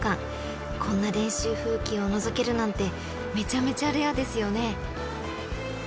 ［こんな練習風景をのぞけるなんてめちゃめちゃレアですよね］